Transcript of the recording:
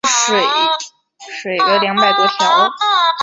那些的当中一个是库路耐尔。